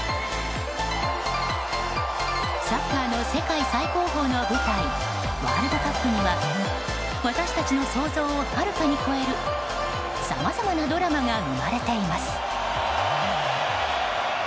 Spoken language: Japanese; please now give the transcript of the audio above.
サッカーの世界最高峰の舞台ワールドカップには私たちの想像をはるかに超えるさまざまなドラマが生まれています。